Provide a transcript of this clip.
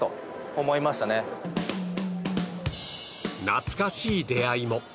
懐かしい出会いも。